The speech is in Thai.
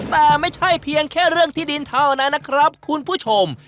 แต่ไม่ใช่เพียงแค่เรื่องที่ดินเท่านั้นนะครับคุณผู้ชม